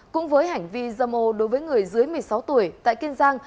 cũng với hành vi dâm ô đối với người dưới một mươi sáu tuổi tại kiên giang